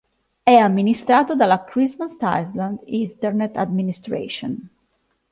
È amministrato dalla Christmas Island Internet Administration.